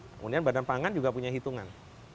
kemudian badan pangan juga punya hitungan